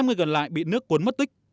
năm người gần lại bị nước cuốn mất tích